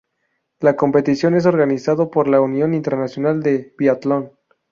La competición es organizado por la Unión Internacional de Biatlón.